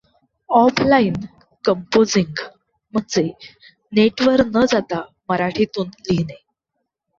Offline composing म्हणजे नेटवर न जाता मराठीतून लिहिणे.